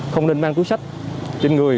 không nên mang túi sách trên người